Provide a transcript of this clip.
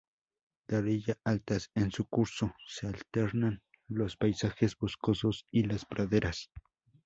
De orillas altas, en su curso se alternan los paisajes boscosos y las praderas.